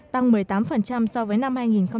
tăng một mươi tám so với năm hai nghìn một mươi bảy